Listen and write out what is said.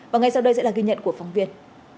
và ngay sau đây sẽ là ghi nhận của phóng viên